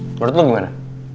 menurut lu gimana